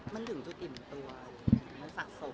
มันหลึงทุกติมตัวมันสะสม